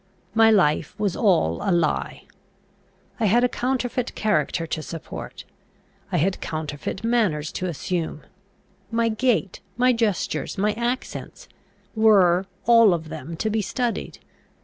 My life was all a lie. I had a counterfeit character to support. I had counterfeit manners to assume. My gait, my gestures, my accents, were all of them to be studied.